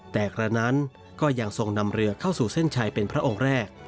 แต่กระนั้นก็ยังทรงนำเรือเข้าสู่เส้นชัยเป็นพระองค์แรก